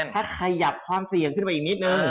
ถ้าขยับความเสี่ยงขึ้นไปอีกนิดนึง